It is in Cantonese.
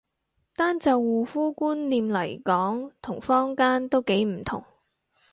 單就護膚觀念嚟講同坊間都幾唔同